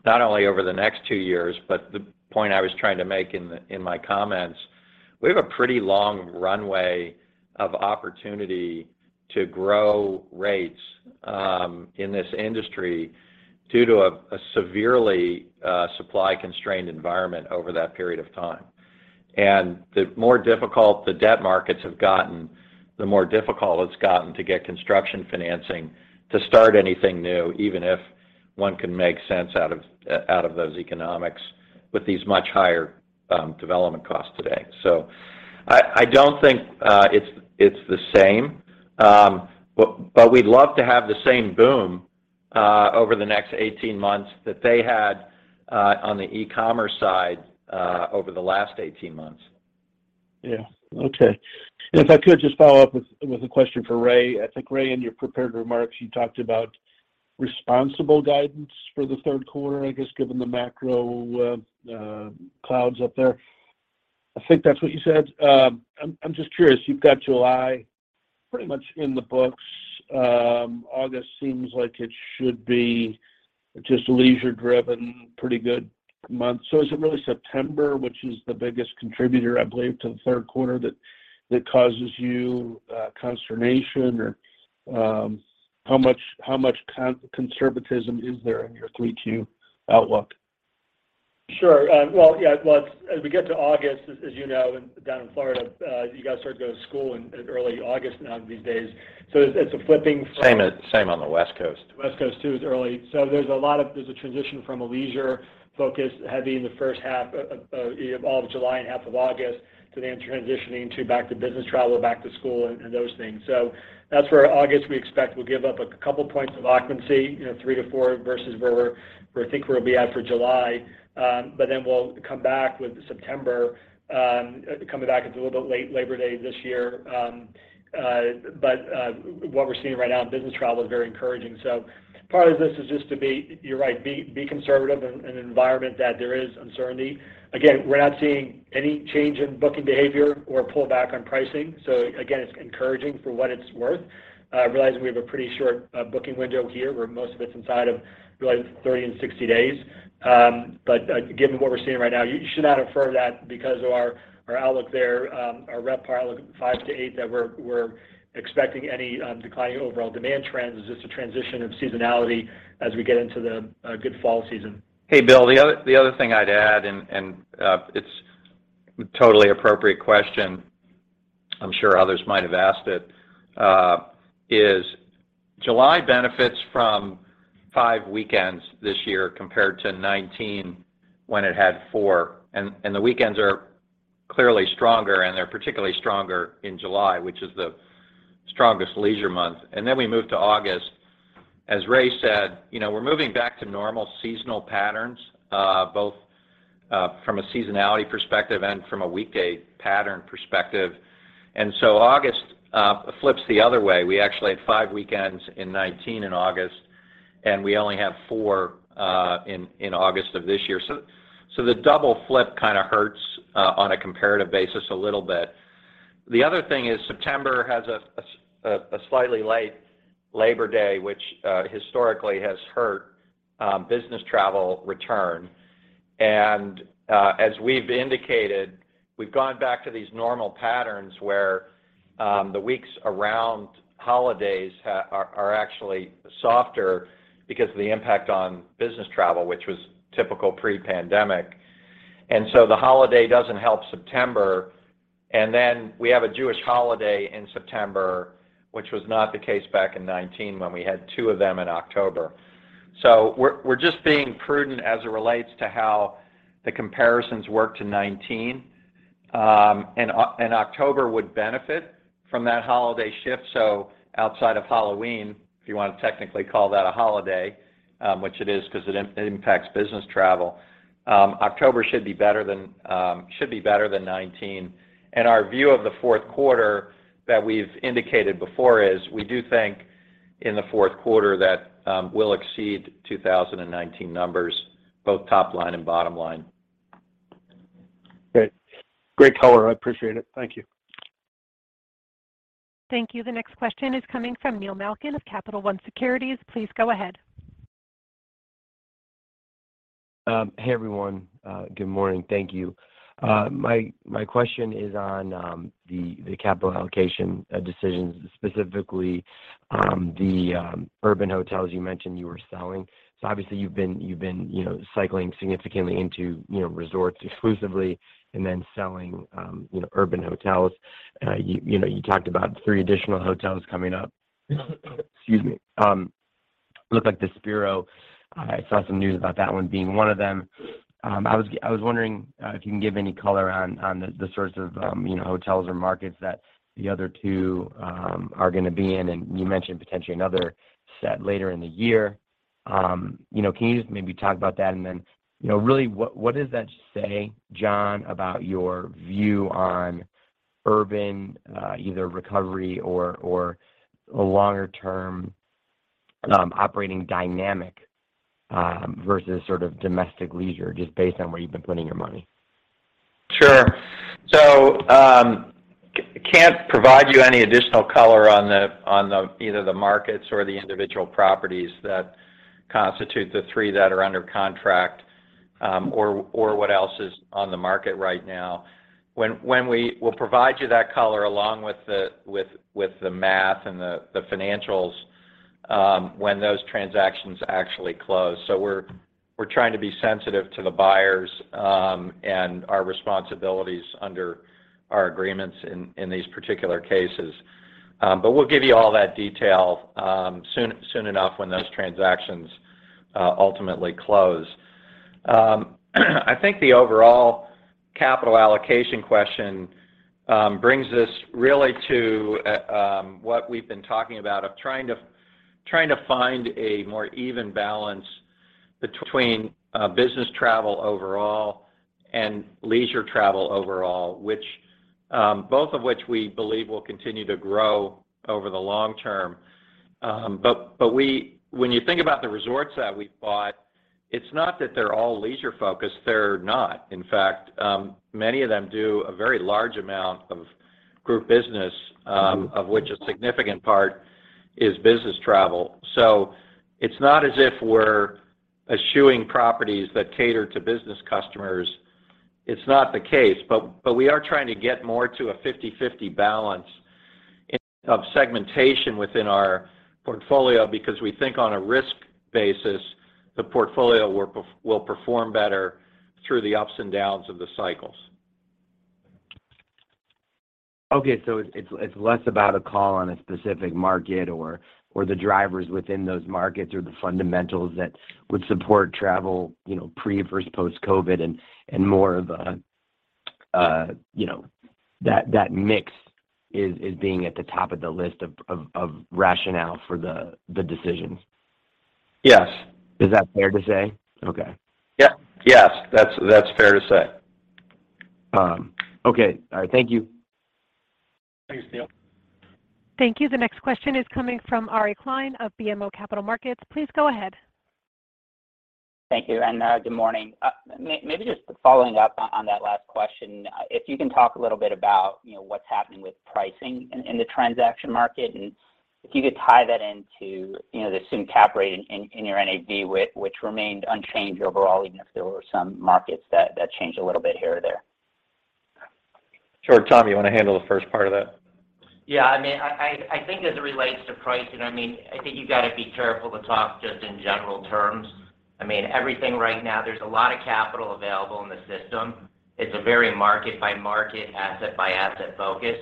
not only over the next two years, but the point I was trying to make in my comments, we have a pretty long runway of opportunity to grow rates in this industry due to a severely supply-constrained environment over that period of time. The more difficult the debt markets have gotten, the more difficult it's gotten to get construction financing to start anything new, even if one can make sense out of those economics with these much higher development costs today. I don't think it's the same. But we'd love to have the same boom over the next 18 months that they had on the e-commerce side over the last 18 months. Yeah. Okay. If I could just follow up with a question for Ray. I think, Ray, in your prepared remarks, you talked about responsible guidance for the third quarter, I guess, given the macro clouds up there. I think that's what you said. I'm just curious, you've got July pretty much in the books. August seems like it should be just leisure-driven, pretty good month. Is it really September, which is the biggest contributor, I believe, to the third quarter that causes you consternation? Or, how much conservatism is there in your 3Q outlook? Sure. Well, yeah, look, as we get to August, as you know, down in Florida, you guys start to go to school in early August now these days. It's a flipping from- Same on the West Coast. West Coast, too, it's early. There's a transition from a leisure focus heavy in the first half of all of July and half of August to then transitioning to back to business travel, back to school, and those things. That's where August, we expect, will give up a couple points of occupancy, you know, three to four versus where I think we'll be at for July. We'll come back with September coming back. It's a little bit late Labor Day this year. What we're seeing right now in business travel is very encouraging. Part of this is just to be, you're right, be conservative in an environment that there is uncertainty. Again, we're not seeing any change in booking behavior or pullback on pricing. Again, it's encouraging for what it's worth. Realizing we have a pretty short booking window here, where most of it's inside of like 30 and 60 days. Given what we're seeing right now, you should not infer that because of our outlook there, our RevPAR looks 5%-8%, that we're expecting any declining overall demand trends. It's just a transition of seasonality as we get into the good fall season. Hey, Bill, the other thing I'd add, it's totally appropriate question. I'm sure others might have asked it. July benefits from five weekends this year compared to 2019 when it had four. The weekends are clearly stronger, and they're particularly stronger in July, which is the strongest leisure month. Then we move to August. As Ray said, you know, we're moving back to normal seasonal patterns, both from a seasonality perspective and from a weekday pattern perspective. August flips the other way. We actually had five weekends in 2019 in August, and we only have four in August of this year. The double flip kind of hurts on a comparative basis a little bit. The other thing is September has a slightly late Labor Day, which historically has hurt business travel return. As we've indicated, we've gone back to these normal patterns where the weeks around holidays are actually softer because of the impact on business travel, which was typical pre-pandemic. The holiday doesn't help September. We have a Jewish holiday in September, which was not the case back in 2019 when we had two of them in October. We're just being prudent as it relates to how the comparisons work to 2019. October would benefit from that holiday shift. Outside of Halloween, if you want to technically call that a holiday, which it is because it impacts business travel, October should be better than '19. Our view of the fourth quarter that we've indicated before is we do think in the fourth quarter that we'll exceed 2019 numbers, both top line and bottom line. Great. Great color. I appreciate it. Thank you. Thank you. The next question is coming from Neil Malkin of Capital One Securities. Please go ahead. Hey everyone, good morning. Thank you. My question is on the capital allocation decisions, specifically the urban hotels you mentioned you were selling. Obviously you've been, you know, cycling significantly into, you know, resorts exclusively and then selling, you know, urban hotels. You know, you talked about three additional hotels coming up. Excuse me. Looked like the Hotel Spero, I saw some news about that one being one of them. I was wondering if you can give any color on the sorts of, you know, hotels or markets that the other two are gonna be in, and you mentioned potentially another set later in the year. You know, can you just maybe talk about that? You know, really, what does that say, Jon, about your view on urban, either recovery or a longer term operating dynamic versus sort of domestic leisure, just based on where you've been putting your money? Sure. Can't provide you any additional color on the markets or the individual properties that constitute the three that are under contract, or what else is on the market right now. We'll provide you that color along with the math and the financials when those transactions actually close. We're trying to be sensitive to the buyers and our responsibilities under our agreements in these particular cases. We'll give you all that detail soon enough when those transactions ultimately close. I think the overall capital allocation question brings us really to what we've been talking about, of trying to find a more even balance between business travel overall and leisure travel overall, which both of which we believe will continue to grow over the long term. When you think about the resorts that we've bought, it's not that they're all leisure-focused, they're not. In fact, many of them do a very large amount of group business, of which a significant part is business travel. It's not as if we're eschewing properties that cater to business customers. It's not the case, but we are trying to get more to a 50/50 balance in terms of segmentation within our portfolio because we think on a risk basis, the portfolio will perform better through the ups and downs of the cycles. Okay. It's less about a call on a specific market or the drivers within those markets or the fundamentals that would support travel, you know, pre- versus post-COVID and more of a, you know, that mix is being at the top of the list of rationale for the decisions. Yes. Is that fair to say? Okay. Yeah. Yes, that's fair to say. Okay. All right. Thank you. Thanks, Neil. Thank you. The next question is coming from Ari Klein of BMO Capital Markets. Please go ahead. Thank you, and good morning. Maybe just following up on that last question, if you can talk a little bit about, you know, what's happening with pricing in the transaction market, and if you could tie that into, you know, the assumed cap rate in your NAV which remained unchanged overall, even if there were some markets that changed a little bit here or there. Sure. Thom, you wanna handle the first part of that? Yeah. I mean, I think as it relates to pricing, I mean, I think you gotta be careful to talk just in general terms. I mean, everything right now, there's a lot of capital available in the system. It's a very market-by-market, asset-by-asset focus.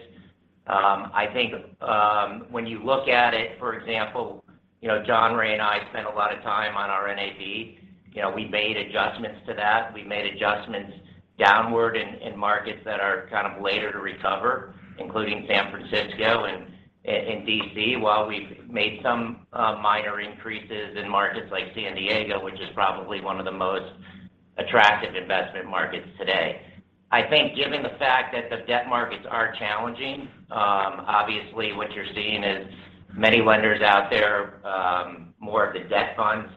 I think, when you look at it, for example, you know, John, Ray, and I spent a lot of time on our NAV. You know, we made adjustments to that. We made adjustments downward in markets that are kind of later to recover, including San Francisco and D.C., while we've made some minor increases in markets like San Diego, which is probably one of the most attractive investment markets today. I think given the fact that the debt markets are challenging, obviously what you're seeing is many lenders out there, more of the debt funds,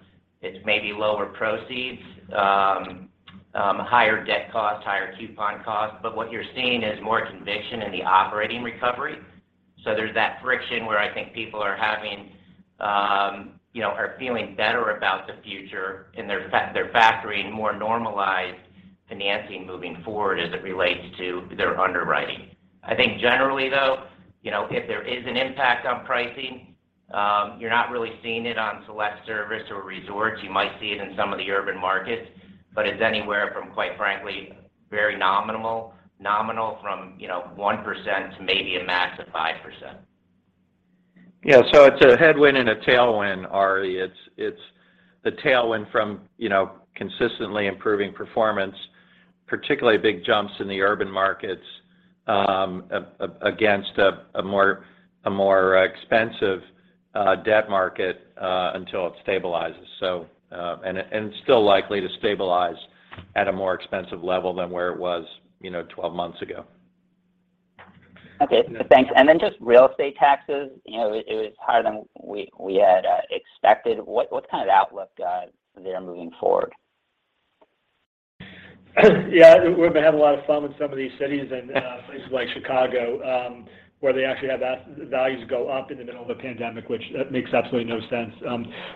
it's maybe lower proceeds, higher debt cost, higher coupon cost. What you're seeing is more conviction in the operating recovery. There's that friction where I think people are having, you know, are feeling better about the future, and they're factoring more normalized financing moving forward as it relates to their underwriting. I think generally though, you know, if there is an impact on pricing, you're not really seeing it on select service or resorts. You might see it in some of the urban markets, but it's anywhere from, quite frankly, very nominal from, you know, 1% to maybe a max of 5%. Yeah. It's a headwind and a tailwind, Ari. It's the tailwind from, you know, consistently improving performance, particularly big jumps in the urban markets, against a more expensive debt market until it stabilizes. It's still likely to stabilize at a more expensive level than where it was, you know, 12 months ago. Just real estate taxes, you know, it was higher than we had expected. What's kind of the outlook there moving forward? Yeah, we've been having a lot of fun with some of these cities and places like Chicago, where they actually have that the values go up in the middle of a pandemic, which makes absolutely no sense.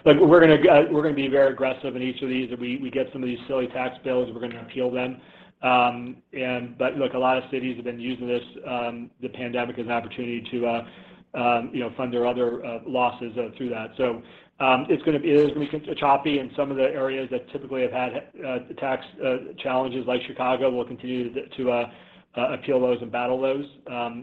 Look, we're gonna be very aggressive in each of these. If we get some of these silly tax bills, we're gonna appeal them. Look, a lot of cities have been using this, the pandemic as an opportunity to, you know, fund their other losses through that. It is gonna be choppy in some of the areas that typically have had tax challenges, like Chicago. We'll continue to appeal those and battle those.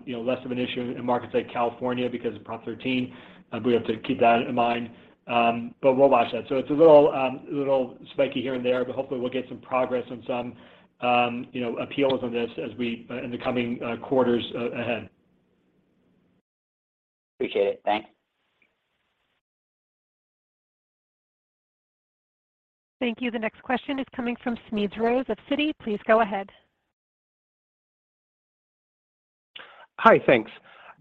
You know, less of an issue in markets like California because of Proposition 13, and we have to keep that in mind. We'll watch that. It's a little spiky here and there, but hopefully we'll get some progress on some, you know, appeals on this in the coming quarters ahead. Appreciate it. Thanks. Thank you. The next question is coming from Smedes Rose of Citi. Please go ahead. Hi, thanks.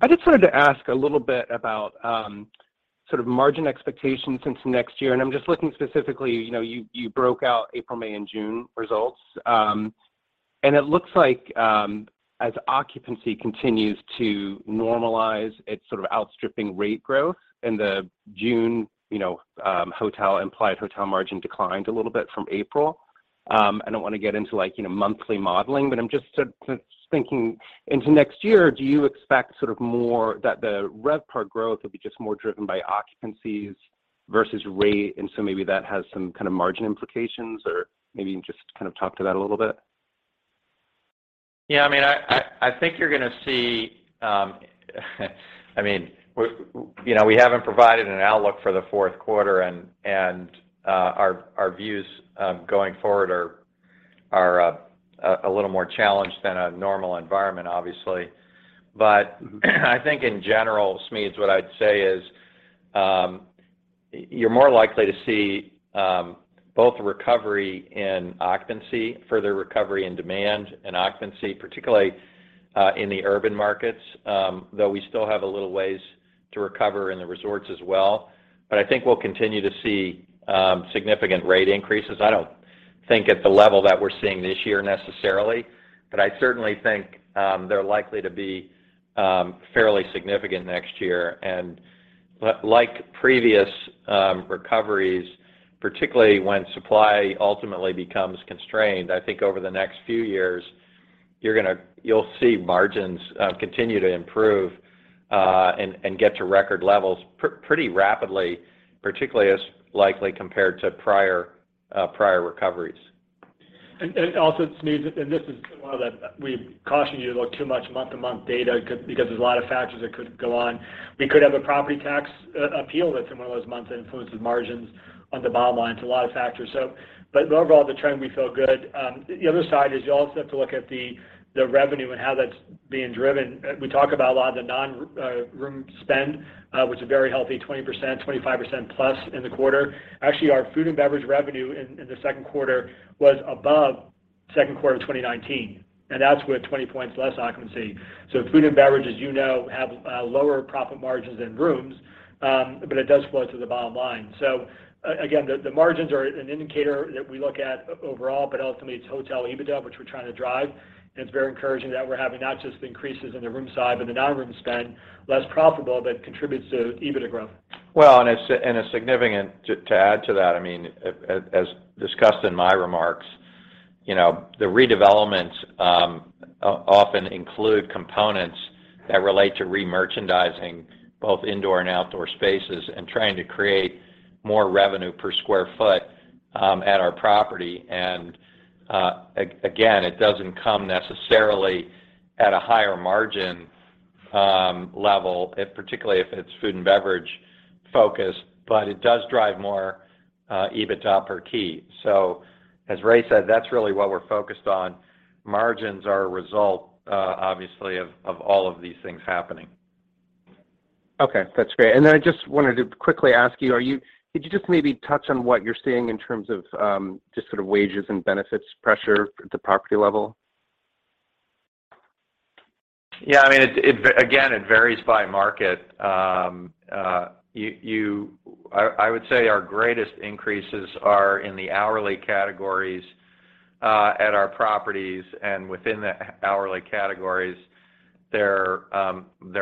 I just wanted to ask a little bit about sort of margin expectations into next year, and I'm just looking specifically, you know, you broke out April, May, and June results. It looks like as occupancy continues to normalize, it's sort of outstripping rate growth in the June, you know, hotel implied hotel margin declined a little bit from April. I don't wanna get into, like, you know, monthly modeling, but I'm just sort of thinking into next year, do you expect sort of more that the rev per growth will be just more driven by occupancies versus rate, and so maybe that has some kind of margin implications, or maybe you can just kind of talk to that a little bit? Yeah, I mean, I think you're gonna see. I mean, you know, we haven't provided an outlook for the fourth quarter, and our views going forward are a little more challenged than a normal environment, obviously. I think in general, Smedes, what I'd say is you're more likely to see both recovery in occupancy, further recovery in demand and occupancy, particularly in the urban markets, though we still have a little ways to recover in the resorts as well. I think we'll continue to see significant rate increases. I don't think at the level that we're seeing this year necessarily, but I certainly think they're likely to be fairly significant next year. Like previous recoveries, particularly when supply ultimately becomes constrained, I think over the next few years, you'll see margins continue to improve, and get to record levels pretty rapidly, particularly as likely compared to prior recoveries. Smedes, this is one that we caution you to look at too much month-to-month data because there's a lot of factors that could go on. We could have a property tax appeal that some of those months that influences margins on the bottom line. It's a lot of factors. Overall, the trend, we feel good. The other side is you also have to look at the revenue and how that's being driven. We talk about a lot of the non-room spend, which is a very healthy 20%, 25% plus in the quarter. Actually, our food and beverage revenue in the second quarter was above second quarter of 2019, and that's with 20 points less occupancy. Food and beverage, as you know, have lower profit margins than rooms, but it does flow to the bottom line. Again, the margins are an indicator that we look at overall, but ultimately it's hotel EBITDA, which we're trying to drive. It's very encouraging that we're having not just increases in the room side, but the non-room spend, less profitable, but contributes to EBITDA growth. Well, it's significant to add to that. I mean, as discussed in my remarks, you know, the redevelopments often include components that relate to remerchandising both indoor and outdoor spaces and trying to create more revenue per square foot at our property. Again, it doesn't come necessarily at a higher margin level if particularly if it's food and beverage focused, but it does drive more EBITDA per key. As Ray said, that's really what we're focused on. Margins are a result obviously of all of these things happening. Okay, that's great. I just wanted to quickly ask you, could you just maybe touch on what you're seeing in terms of, just sort of wages and benefits pressure at the property level? Yeah, I mean, again, it varies by market. I would say our greatest increases are in the hourly categories at our properties, and within the hourly categories, they're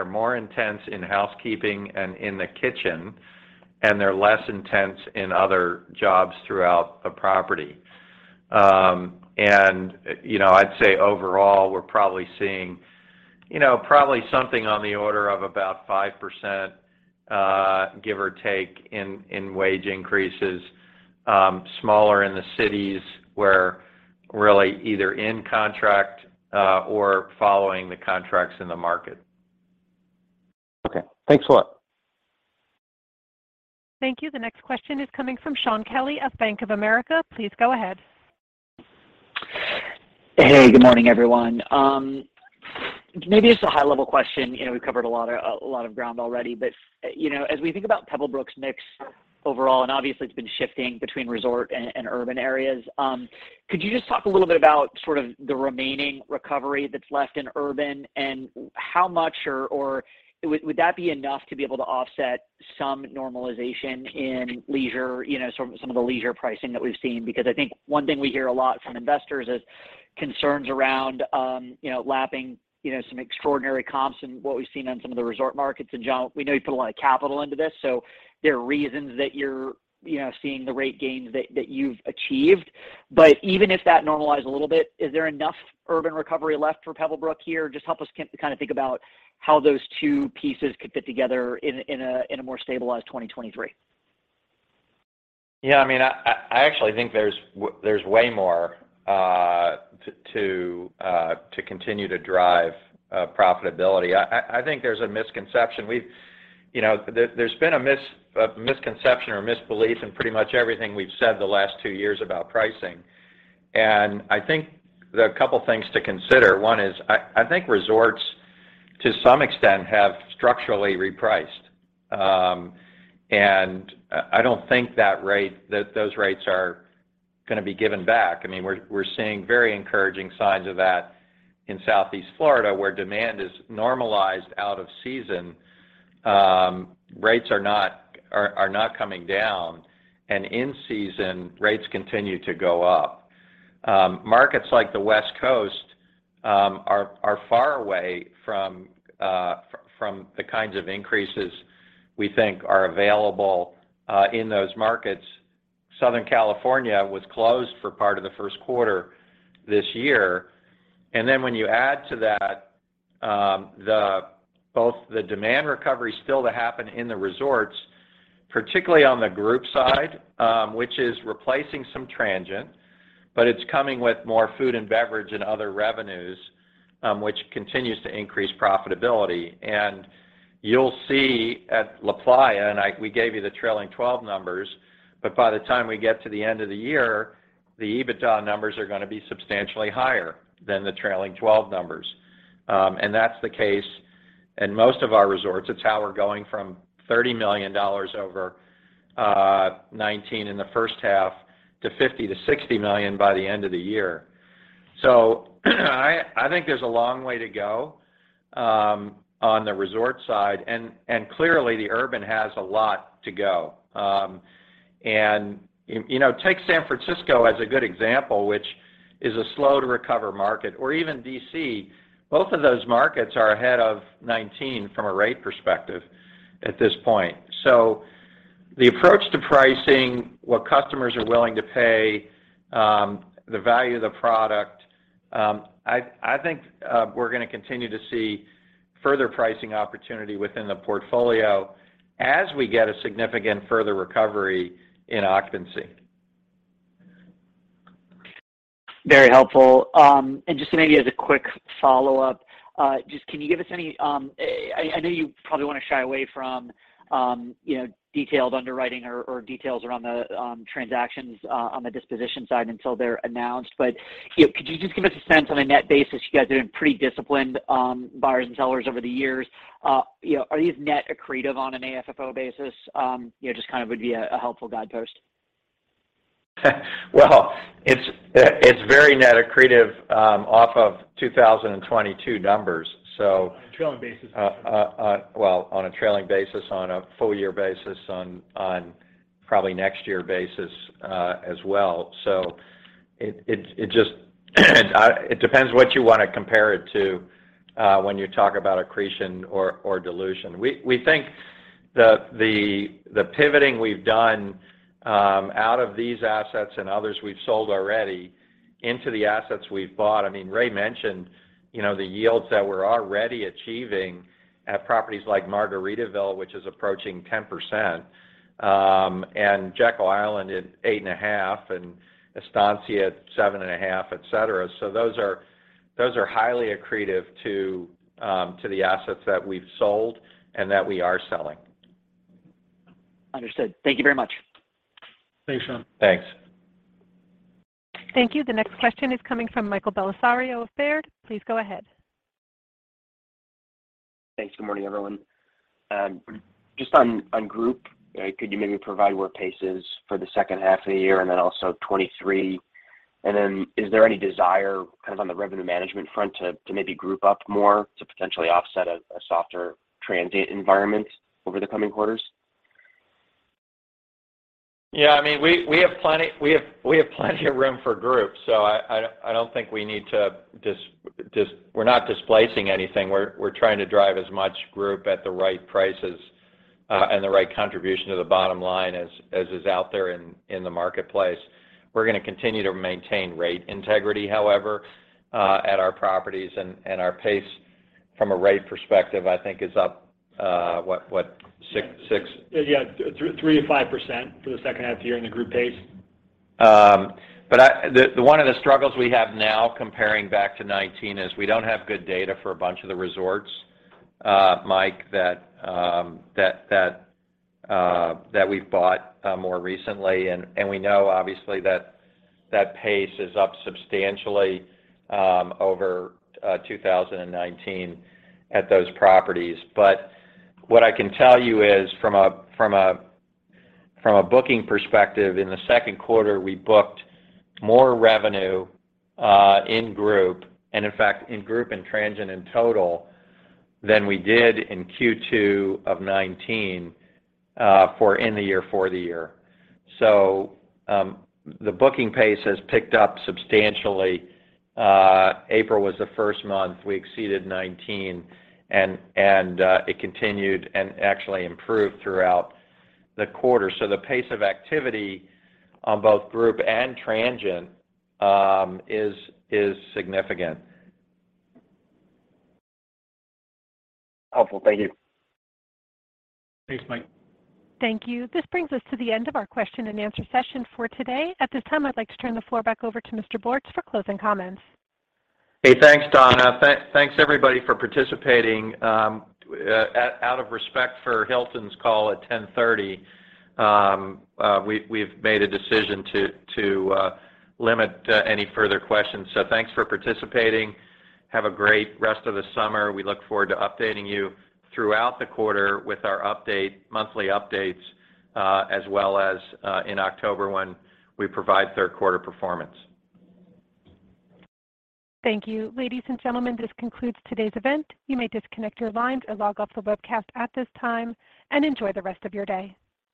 more intense in housekeeping and in the kitchen, and they're less intense in other jobs throughout the property. You know, I'd say overall, we're probably seeing, you know, probably something on the order of about 5%, give or take in wage increases, smaller in the cities where we're really either in contract or following the contracts in the market. Okay. Thanks a lot. Thank you. The next question is coming from Shaun Kelley of Bank of America. Please go ahead. Hey, good morning, everyone. Maybe just a high level question. You know, we've covered a lot of ground already, but you know, as we think about Pebblebrook's mix overall, and obviously it's been shifting between resort and urban areas. Could you just talk a little bit about sort of the remaining recovery that's left in urban and how much or would that be enough to be able to offset some normalization in leisure, you know, some of the leisure pricing that we've seen? Because I think one thing we hear a lot from investors is concerns around, you know, lapping, you know, some extraordinary comps and what we've seen on some of the resort markets. Jon, we know you put a lot of capital into this, so there are reasons that you're, you know, seeing the rate gains that you've achieved. But even if that normalized a little bit, is there enough urban recovery left for Pebblebrook here? Just help us kind of think about how those two pieces could fit together in a more stabilized 2023. I mean, I actually think there's way more to continue to drive profitability. I think there's a misconception. You know, there's been a misconception or a misbelief in pretty much everything we've said the last two years about pricing. I think there are a couple of things to consider. One is I think resorts, to some extent, have structurally repriced. I don't think that those rates are gonna be given back. I mean, we're seeing very encouraging signs of that in Southeast Florida, where demand is normalized out of season. Rates are not coming down, and in season, rates continue to go up. Markets like the West Coast are far away from the kinds of increases we think are available in those markets. Southern California was closed for part of the first quarter this year. Then when you add to that, both the demand recovery still to happen in the resorts, particularly on the group side, which is replacing some transient, but it's coming with more food and beverage and other revenues, which continues to increase profitability. You'll see at LaPlaya, we gave you the trailing 12 numbers, but by the time we get to the end of the year, the EBITDA numbers are gonna be substantially higher than the trailing 12 numbers. That's the case in most of our resorts. It's how we're going from $30 million over 19 in the first half to $50-$60 million by the end of the year. I think there's a long way to go on the resort side. Clearly the urban has a lot to go. You know, take San Francisco as a good example, which is a slow to recover market or even D.C., both of those markets are ahead of 2019 from a rate perspective at this point. The approach to pricing, what customers are willing to pay, the value of the product, I think we're gonna continue to see further pricing opportunity within the portfolio as we get a significant further recovery in occupancy. Very helpful. Just maybe as a quick follow-up, just can you give us any? I know you probably wanna shy away from, you know, detailed underwriting or details around the transactions on the disposition side until they're announced, but, you know, could you just give us a sense on a net basis? You guys are pretty disciplined buyers and sellers over the years. You know, are these net accretive on an AFFO basis? You know, just kind of would be a helpful guidepost. Well, it's very net accretive off of 2022 numbers. On a trailing basis. Well, on a trailing basis, on a full year basis, on probably next year basis, as well. It depends what you wanna compare it to, when you talk about accretion or dilution. We think the pivoting we've done out of these assets and others we've sold already into the assets we've bought. I mean, Ray mentioned, you know, the yields that we're already achieving at properties like Margaritaville, which is approaching 10%, and Jekyll Island at 8/5, and Estancia at 7/5, etc. Those are highly accretive to the assets that we've sold and that we are selling. Understood. Thank you very much. Thanks, Shaun. Thanks. Thank you. The next question is coming from Michael Bellisario of Baird. Please go ahead. Thanks. Good morning, everyone. Just on group, could you maybe provide where pace is for the second half of the year and then also 2023? Is there any desire kind of on the revenue management front to maybe group up more to potentially offset a softer transient environment over the coming quarters? Yeah, I mean, we have plenty of room for groups, so I don't think we need to. We're not displacing anything. We're trying to drive as much group at the right prices and the right contribution to the bottom line as is out there in the marketplace. We're gonna continue to maintain rate integrity, however, at our properties and our pace from a rate perspective, I think is up what? 6 Yeah. 3%-5% for the second half of the year in the group pace. One of the struggles we have now comparing back to 2019 is we don't have good data for a bunch of the resorts, Mike, that we've bought more recently. We know obviously that that pace is up substantially over 2019 at those properties. What I can tell you is from a booking perspective, in the second quarter, we booked more revenue in group, and in fact, in group and transient in total than we did in Q2 of 2019 for the year. The booking pace has picked up substantially. April was the first month we exceeded 2019, and it continued and actually improved throughout the quarter. The pace of activity on both group and transient is significant. Helpful. Thank you. Thanks, Mike. Thank you. This brings us to the end of our question and answer session for today. At this time, I'd like to turn the floor back over to Mr. Bortz for closing comments. Hey, thanks, Donna. Thanks everybody for participating. Out of respect for Hilton's call at 10:30, we've made a decision to limit any further questions. Thanks for participating. Have a great rest of the summer. We look forward to updating you throughout the quarter with our update, monthly updates, as well as in October when we provide third quarter performance. Thank you. Ladies and gentlemen, this concludes today's event. You may disconnect your lines or log off the webcast at this time, and enjoy the rest of your day.